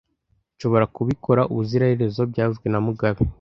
Nshobora kubikora ubuziraherezo byavuzwe na mugabe